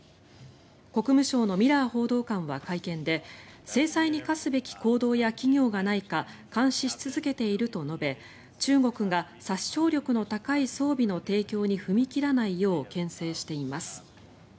国務省のミラー報道官は会見で制裁に科すべき行動や企業がないか監視し続けていると述べ中国が殺傷能力の高い装備の提供に踏み切らないようけん制しています。